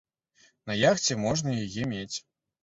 На яхце можна яе мець.